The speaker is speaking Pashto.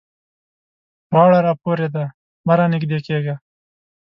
غاړه را پورې ده؛ مه رانږدې کېږه.